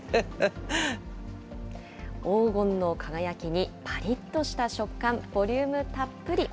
黄金の輝きに、ぱりっとした食感、ボリュームたっぷり。